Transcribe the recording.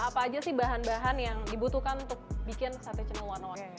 apa aja sih bahan bahan yang dibutuhkan untuk bikin sate cenel warna warni